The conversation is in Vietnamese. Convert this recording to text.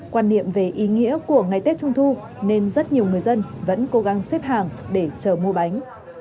quan niệm về ý nghĩa của ngày tết trung thu nên rất nhiều người dân vẫn cố gắng xếp hàng để chờ mua bánh